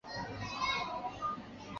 他的父亲瞽叟是个盲人。